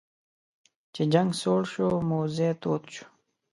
چې جنګ سوړ شو موذي تود شو.